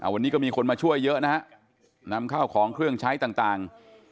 วันนี้ก็มีคนมาช่วยเยอะนะฮะนำข้าวของเครื่องใช้ต่าง